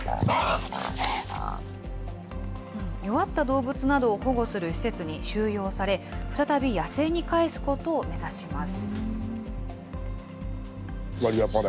弱った動物などを保護する施設に収容され、再び野生に帰すことを目指します。